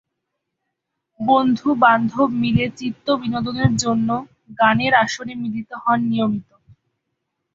বন্ধু-বান্ধব মিলে চিত্ত বিনোদনের জন্য গানের আসরে মিলিত হন নিয়মিত।